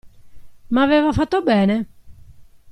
Ma aveva fatto bene?